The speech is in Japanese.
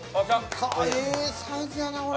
ええサイズやなこれ。